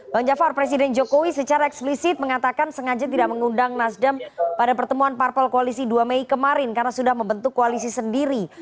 bang jafar presiden jokowi secara eksplisit mengatakan sengaja tidak mengundang nasdem pada pertemuan parpol koalisi dua mei kemarin karena sudah membentuk koalisi sendiri